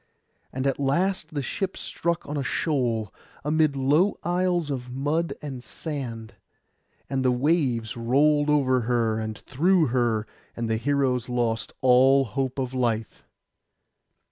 And at last the ship struck on a shoal, amid low isles of mud and sand, and the waves rolled over her and through her, and the heroes lost all hope of life.